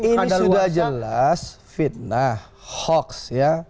sudah jelas fitnah hoax ya